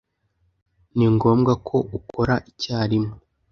Ni ngombwa ko ukora icyarimwe.